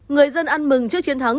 người dân ăn mừng trước chiến thắng